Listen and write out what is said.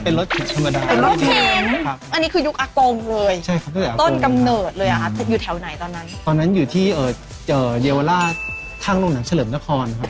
เป็นรถเข็มธรรมดาเป็นรถเข็มครับอันนี้คือยุคอากงเลยใช่ครับ